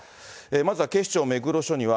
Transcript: まずは警視庁目黒署には、